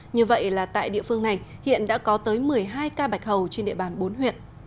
như vậy là tại địa phương này hiện đã có tới một mươi hai ca bạch hầu trên địa bàn bốn huyện